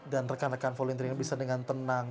dan rekan rekan volunteer ini bisa dengan tenang